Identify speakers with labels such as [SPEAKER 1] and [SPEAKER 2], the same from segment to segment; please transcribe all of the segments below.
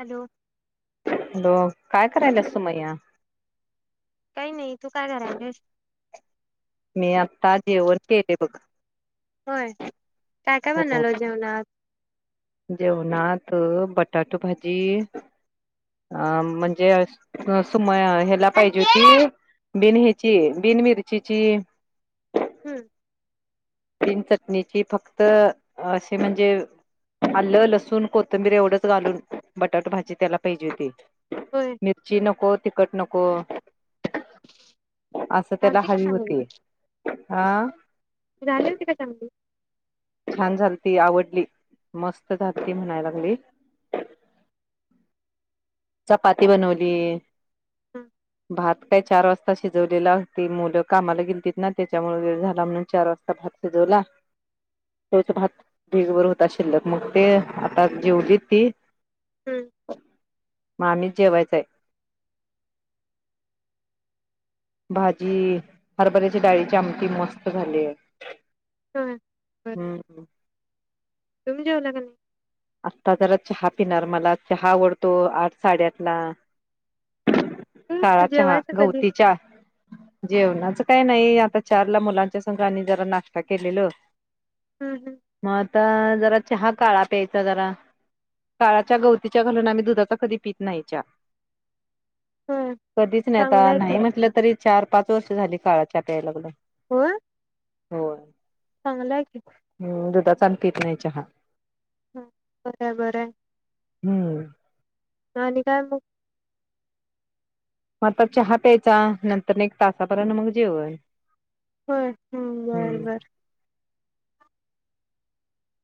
[SPEAKER 1] Hello
[SPEAKER 2] hello, काय करायलास सोमय्या.
[SPEAKER 1] काही नाही तू काय करायलीस?
[SPEAKER 2] मी आत्ता जेवण केले बघ.
[SPEAKER 1] होय काय काय बनवलं जेवणात?
[SPEAKER 2] जेवणात बट टाटो भाजी अ म्हणजे [unintelligible] [unintelligible] याला पाहिजे होती, बिन ह्याची बिन मिरचीची
[SPEAKER 1] हम्म
[SPEAKER 2] बिन चटणीची फक्त अशी म्हणजे आलं लसूण कोथंबीर एवढंच घालून बटाट भाजी त्याला पाहिजे होती.
[SPEAKER 1] होय
[SPEAKER 2] मिरची नको तिकट नको असं त्याला
[SPEAKER 1] झालती का
[SPEAKER 2] हवी
[SPEAKER 1] चांगली?
[SPEAKER 2] होती. आ?
[SPEAKER 1] झाली होती का चांगली?
[SPEAKER 2] छान झालती, आवडली मस्त झालती म्हणाय लागले. चपाती बनवली.
[SPEAKER 1] हम्म
[SPEAKER 2] भात काय चार वाजता शिजवलेला ती मुलं कामाला गेलती ना त्याच्यामुळे वेळ झाला म्हणून चार वाजता भात शिजवला. तोच भात ढिगभर होता शिल्लक मग ते आता जेवली ती
[SPEAKER 1] हम्म.
[SPEAKER 2] मग आम्हीच जेवायचय. भाजी हरभऱ्याची डाळीची आमटी मस्त झालीय.
[SPEAKER 1] होय बर.
[SPEAKER 2] हम्म
[SPEAKER 1] तुम्ही जेवला का नाही?
[SPEAKER 2] आत्ता जरा चहा पिणार मला चहा आवडतो आठ साडेआठला. काळा
[SPEAKER 1] हम्म
[SPEAKER 2] चहा,
[SPEAKER 1] जेवायचं कधी
[SPEAKER 2] गवती चहा जेवणाच काय नाही आता चारला मुलांच्या संघ आणि जरा नाश्ता केलेलं.
[SPEAKER 1] हम्म हम्म
[SPEAKER 2] मग आता जरा चहा काळा प्यायचा जरा, काळाच्या गवतीच्या घालून आम्ही दुधाचा कधी पित नाही चहा.
[SPEAKER 1] होय
[SPEAKER 2] कधीच नाही,
[SPEAKER 1] चांगलं
[SPEAKER 2] आता
[SPEAKER 1] आहे की
[SPEAKER 2] नाही म्हटलं तरी चार पाच वर्ष झाली. काळा चहा प्याय लागलो.
[SPEAKER 1] होय?
[SPEAKER 2] होय.
[SPEAKER 1] चांगल हाय की.
[SPEAKER 2] हुं दुधाचा आम्ही पीत नाही चहा.
[SPEAKER 1] हा बरं बरं हाय.
[SPEAKER 2] हम्म
[SPEAKER 1] आणि काय मग?
[SPEAKER 2] म आता चहा प्यायचा, नंतर एक तासाभराणं मग जेवण.
[SPEAKER 1] होय हुं बर
[SPEAKER 2] हम्म.
[SPEAKER 1] बर.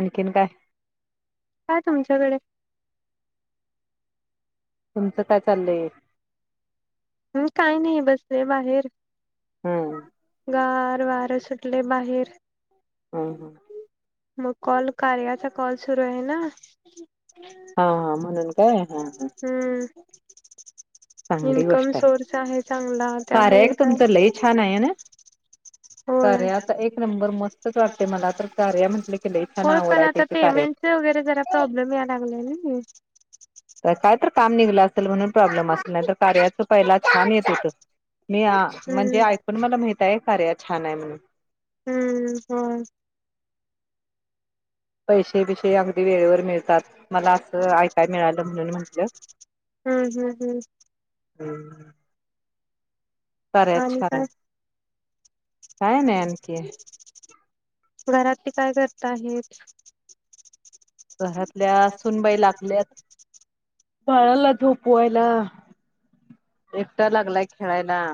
[SPEAKER 2] आणखीन काय?
[SPEAKER 1] काय तुमच्याकडे.
[SPEAKER 2] तुमचं काय चाललंय?
[SPEAKER 1] हुं काय नाही बसले बाहेर.
[SPEAKER 2] हम्म.
[SPEAKER 1] गार वार सुटलय बाहेर.
[SPEAKER 2] हा हा.
[SPEAKER 1] मग कॉल कार्याचा कॉल सुरू आहे ना.
[SPEAKER 2] हा हा म्हणून काय हा हा
[SPEAKER 1] हम्म.
[SPEAKER 2] चांगली
[SPEAKER 1] इन्कम
[SPEAKER 2] गोष्ट
[SPEAKER 1] सोर्स आहे चांगला,
[SPEAKER 2] कार्या
[SPEAKER 1] त्यामुळे
[SPEAKER 2] एक तुमचं
[SPEAKER 1] काय
[SPEAKER 2] लई छान आहे ना.
[SPEAKER 1] होय.
[SPEAKER 2] कार्याचा एक नंबर मस्तच वाटते मला तर कार्या म्हटलं की लई छान
[SPEAKER 1] होय
[SPEAKER 2] आवड
[SPEAKER 1] पण
[SPEAKER 2] आहे
[SPEAKER 1] आता
[SPEAKER 2] त्याची कार्या
[SPEAKER 1] पेमेंटचे वगैरे जरा प्रॉब्लेम या लागलाय नई.
[SPEAKER 2] अं काय तर काम निघलं असल म्हणून प्रॉब्लेम असनार कार्याच पहिला छान येत होत मी आ म्हणजे
[SPEAKER 1] हम्म
[SPEAKER 2] अयकून मला माहित ताई कार्या छान आहे म्हणून
[SPEAKER 1] हुं होय.
[SPEAKER 2] पैशेबिशे अगदी वेळेवर मिळतात मला असं आयकाय मिळालं म्हणून म्हंटलं.
[SPEAKER 1] हुन हुन हुन.
[SPEAKER 2] हम्म. कार्या
[SPEAKER 1] आणि
[SPEAKER 2] छान हाय.
[SPEAKER 1] काय
[SPEAKER 2] काय नाही आणखी.
[SPEAKER 1] घरातली काय करत आहेत.
[SPEAKER 2] घरातल्या सुनबाई लागल्यात. बाळाला झोपवायला, एकटा लागलाय खेळायला.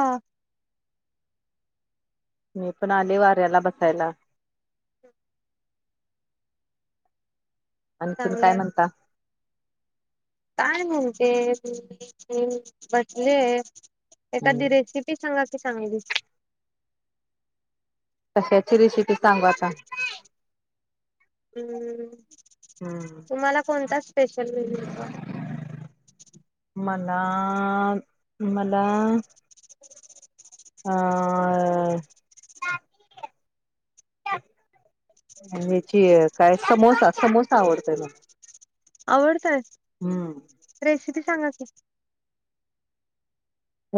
[SPEAKER 1] आ.
[SPEAKER 2] मी पण आले वाऱ्याला बसायला. आणखीन काय
[SPEAKER 1] चांगलंय
[SPEAKER 2] म्हणता?
[SPEAKER 1] काय म्हणते [unintelligible] बसले. एखादी रेसिपी सांगा ती चांगली
[SPEAKER 2] कशाची रेशिपी सांगू आता?
[SPEAKER 1] हम्म्म.
[SPEAKER 2] हम्म
[SPEAKER 1] तुम्हाला कोणता स्पेशल मेनु येतो?
[SPEAKER 2] ला मला
[SPEAKER 1] [inaudible]
[SPEAKER 2] आं याची काय समोसा समोसा आवडतोय म
[SPEAKER 1] आवडतय
[SPEAKER 2] हुम.
[SPEAKER 1] रेसिपी सांगा की.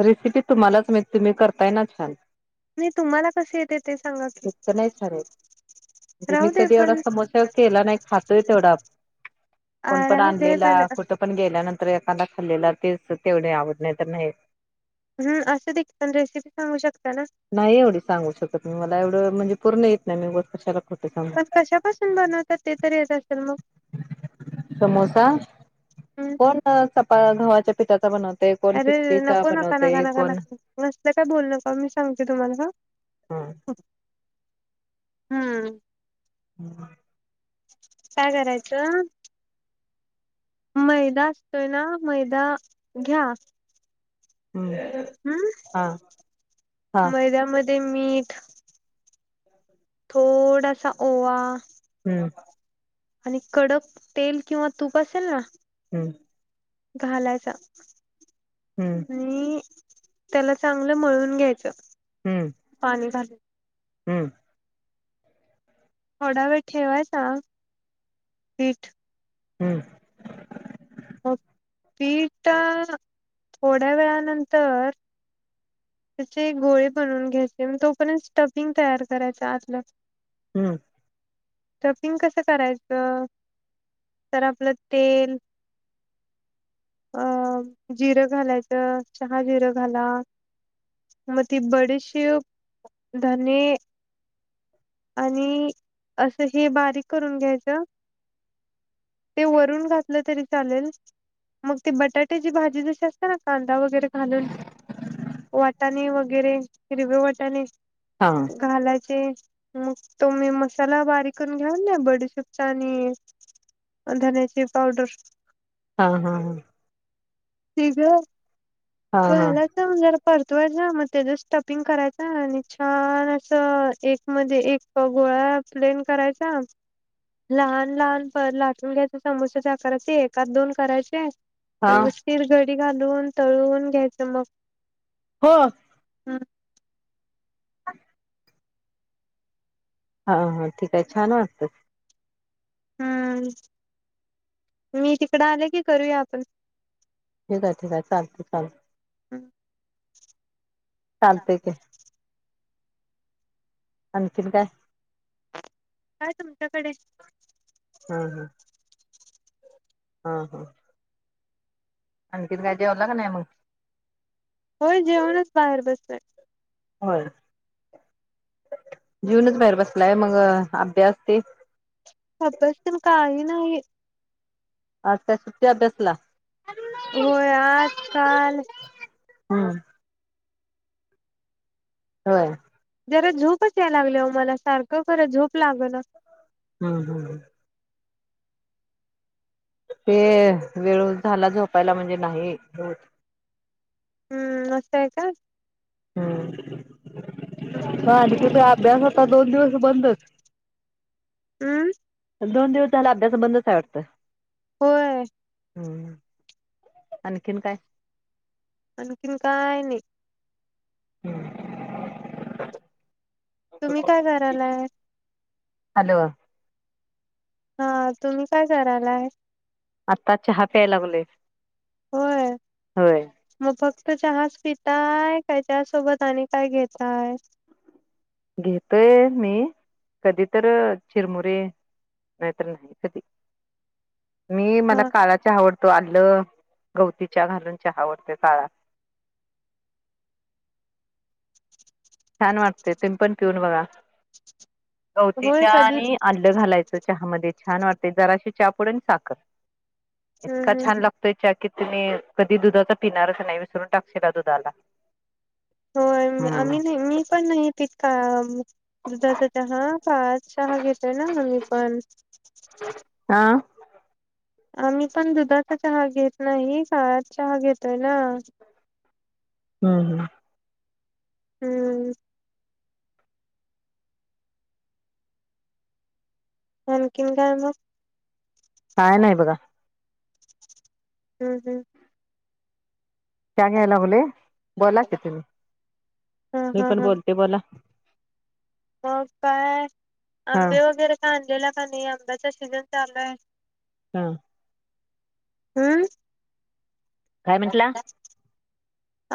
[SPEAKER 2] रेसिपी तुम्हालाच माहीत तुम्ही करताय ना छान.
[SPEAKER 1] नी तुम्हाला कशे येतेत
[SPEAKER 2] इतका नाही छान येत म्हणजे मी
[SPEAKER 1] राहू दे
[SPEAKER 2] कधी एवढा
[SPEAKER 1] पण
[SPEAKER 2] समोसा केला नाही खातोय तेवढाच कोण पण
[SPEAKER 1] राहू दे
[SPEAKER 2] आणलेला
[SPEAKER 1] पण
[SPEAKER 2] कुठं पण गेल्यानंतर एखादा खाल्लेला ते अस तेवढे आवड नाहीं तर नाहीं.
[SPEAKER 1] हुं असुदेकी पण रेसिपी सांगू शक
[SPEAKER 2] नाही एवढी सांगू शकत मी मला एवढं म्हणजे पूर्ण इत नाही मी उगच कशाला खो
[SPEAKER 1] पण कशापासून बनवतात ते तरी येत असेल मग
[SPEAKER 2] समोसा
[SPEAKER 1] हुं.
[SPEAKER 2] अ गव्हाच्या पिठाचा बनव
[SPEAKER 1] अरे नको नका नका नका नका असलं काय बोलू नका मी सांगते तुम्हाला हं!
[SPEAKER 2] हो [inaudible]
[SPEAKER 1] हुं!
[SPEAKER 2] हुं! [inaudible]
[SPEAKER 1] काय करायचं- मैदा असतोय ना, मैदा घ्या-
[SPEAKER 2] हम्म
[SPEAKER 1] हुं
[SPEAKER 2] हा हा
[SPEAKER 1] मैद्यामध ते मीठ थोडासा, ओवा
[SPEAKER 2] हुं [inaudible]
[SPEAKER 1] आणि कडक तेल किंवा, तूप असेल ना
[SPEAKER 2] हुं!
[SPEAKER 1] घालायचा.
[SPEAKER 2] हुं!
[SPEAKER 1] आणि त्याला चांगलं मिळून घ्यायचं.
[SPEAKER 2] हुं
[SPEAKER 1] पाणी घालून.
[SPEAKER 2] हुं!
[SPEAKER 1] थोडा वेळ ठेवायचा पिठ
[SPEAKER 2] हुं!
[SPEAKER 1] हो पीठ थोड्या वेळानंतर त्याचे गोळे बनवून घ्यायचे, मग तोपर्यंत स्टपिंग तयार करायचा आतलं.
[SPEAKER 2] हुं!
[SPEAKER 1] स्टफिंग कसं करायचं, तर आपलं तेल, अं जिरं घालायचं चहा जिरं घाला. मग ती बडीशीप, धने, आणि असं हे बारीक करून घ्यायचं, ते वरून घातलं तरी चालेल मग ते बटाट्याची भाजी जशी असत्या ना कांदा वगैरे घालून. वाटाणे, वगैरे हिरवे वाटाणे.
[SPEAKER 2] हा
[SPEAKER 1] घालायचे. मग तो मी मसाला बारीक करून घ्याऊन ना बडीशिपचा, आणि धन्याची पावडर.
[SPEAKER 2] हा हा हा!
[SPEAKER 1] ठीक ये.
[SPEAKER 2] हा हा
[SPEAKER 1] झाला तरण जरा [unintelligible] परतवायचा मग त्याच स्टपिंग करायचा, आणि छान असं एक मध्ये एक गोळा प्लेन करायचा, लहान लहान लाटून घ्यायचा समोसाच्याकाराचे, एकाात दोन करायचे. ते
[SPEAKER 2] हा
[SPEAKER 1] व्यवस्थित ग [unintelligible] घालून तळून घ्यायचं मग.
[SPEAKER 2] [inaudible]
[SPEAKER 1] हम् [inaudible]
[SPEAKER 2] हा हा! ठीक आहे छान वाटत.
[SPEAKER 1] हम्म मी तिकडं आले की करूया आपण.
[SPEAKER 2] ठीक आहे, ठीकय, चालत, चालत.
[SPEAKER 1] हम [inaudible]
[SPEAKER 2] चालतंय की. आणखीन काय?
[SPEAKER 1] काय तुमच्याकडे?
[SPEAKER 2] हा हा हा हा! आणखिन काय जेवला का नाही मग
[SPEAKER 1] होय जेऊनच बाहेर बसलोय.
[SPEAKER 2] होय जेवूनच बाहेर बसलाय मग अभ्यास ते?
[SPEAKER 1] अभ्यास तेन काही नाही.
[SPEAKER 2] आज काय सुट्टी अभ्यासला? [unintelligible]
[SPEAKER 1] काल
[SPEAKER 2] हम्म. व्हय?
[SPEAKER 1] जरा झोपच याय लागली हो मला सारखं, खरं झोप लाग ना.
[SPEAKER 2] हम्म हम्म हम्म. ते वेळ झाला झोपायला म्हणजे नाही होत.
[SPEAKER 1] हम्म असय काय?
[SPEAKER 2] हम्म म आधी तुझा अभ्यास आता दोन दिवस बंदच?
[SPEAKER 1] अम्म.
[SPEAKER 2] दोन दिवस झाला अभ्यासं बंधच हाय वाटतं.
[SPEAKER 1] होय.
[SPEAKER 2] हम्म आणखीन काय?
[SPEAKER 1] आणखीन काय नाही.
[SPEAKER 2] हम्म.
[SPEAKER 1] तुम्ही काय करालाय?
[SPEAKER 2] हॅलो
[SPEAKER 1] हा तुम्ही काय करायलाय?
[SPEAKER 2] आता चहा प्याय लागलोय.
[SPEAKER 1] होय
[SPEAKER 2] होय
[SPEAKER 1] मग फक्त फक्त चहाच पिताय काय त्यासोबत आणि काय घेताय?
[SPEAKER 2] घेतोय मी, कधी तर चिरमुरे नाही तर नाही कधी. मी मला
[SPEAKER 1] हा
[SPEAKER 2] काळा चहा आवड तो आलं, गवती चहा घालून चहा आवडतो काळा. छान वाटते तुम्ही पिऊन बघा. गवती
[SPEAKER 1] होय
[SPEAKER 2] चहा
[SPEAKER 1] कधी
[SPEAKER 2] आणि आल्लं घालायचं चहामध्ये छान वाटते जराशी चापूड आणि साखर.
[SPEAKER 1] हम्म
[SPEAKER 2] इतका
[SPEAKER 1] हम्म
[SPEAKER 2] छान लागतोय च्या कि तुम्ही कधी दुधाचा पिणार च नाही विसरून टाकशीला दुधाला.
[SPEAKER 1] हो
[SPEAKER 2] हम्म
[SPEAKER 1] आम्ही नाही मी पण नाही तीकाम दुधाचा चहा, काळा चहा घेतय ना आम्ही पण.
[SPEAKER 2] हा
[SPEAKER 1] आम्ही पण दुधाचा चहा घेत नाही, काळाच चहा घेतोय ना.
[SPEAKER 2] हम्म हम्म.
[SPEAKER 1] हम्म. आणखी नं काय मग
[SPEAKER 2] काय नाही बघा
[SPEAKER 1] ह, ह
[SPEAKER 2] चहा घ्यायला लागलोय बोला की तुम्ही
[SPEAKER 1] हा
[SPEAKER 2] मी
[SPEAKER 1] हा
[SPEAKER 2] पण
[SPEAKER 1] हा
[SPEAKER 2] बोलते बोला
[SPEAKER 1] मग काय
[SPEAKER 2] हा
[SPEAKER 1] आंबे वगैरे काय आणलेला का नाही आंब्याचा सीझन तर चालु आहे
[SPEAKER 2] हा
[SPEAKER 1] हम्म
[SPEAKER 2] काय म्हंटला?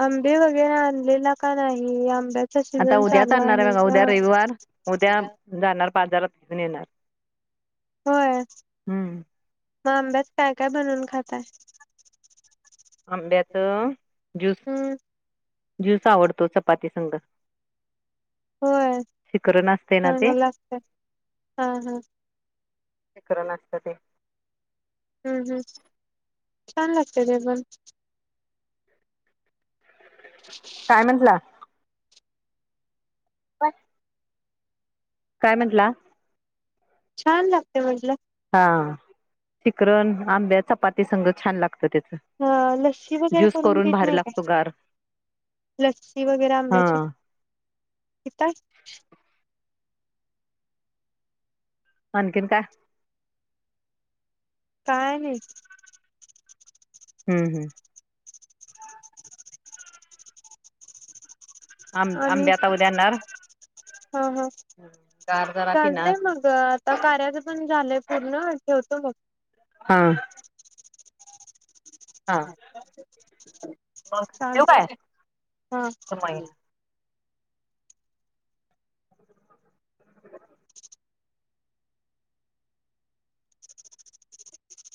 [SPEAKER 1] आंबे वगैरे आणलेला का नाही आ
[SPEAKER 2] आता उद्याच आणणार आहे बघा उद्या रविवार उद्या जाणार बाजारात घेऊून येणार.
[SPEAKER 1] होय
[SPEAKER 2] हम्म
[SPEAKER 1] म आंबे च काय काय बनून खातय?
[SPEAKER 2] आंब्याचं! ज्युस
[SPEAKER 1] हम्म
[SPEAKER 2] ज्यूस आवडतो चपाती संंग
[SPEAKER 1] होय
[SPEAKER 2] ना ते
[SPEAKER 1] चांगलं लागतय हा हा
[SPEAKER 2] शिकरण असत ते
[SPEAKER 1] हम्म, हम्म छान लागते ते पण
[SPEAKER 2] काय म्हंटला बन काय म्हटला
[SPEAKER 1] छान लागते म्हटलं
[SPEAKER 2] हा शिकरण आंब्या चपाती संग छान लागत ते
[SPEAKER 1] हा लस्सी वगैरे करून पीत नाय
[SPEAKER 2] लागतो गार
[SPEAKER 1] काय लस्सी वगैरे
[SPEAKER 2] हा
[SPEAKER 1] आंब्याची पिताय
[SPEAKER 2] आणखीन काय
[SPEAKER 1] काय नय
[SPEAKER 2] ह, ह
[SPEAKER 1] [inaudible]
[SPEAKER 2] आंब
[SPEAKER 1] आणि
[SPEAKER 2] आंबे आता उद्या आणणार
[SPEAKER 1] हा, हा
[SPEAKER 2] गार जरा
[SPEAKER 1] चालतय
[SPEAKER 2] पिणार
[SPEAKER 1] मग आता कार्याच पण झालंय पूर्ण ठेवतो मग.
[SPEAKER 2] हा हा मग ठेवू
[SPEAKER 1] चालतय हा
[SPEAKER 2] कई